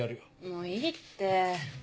もういいって。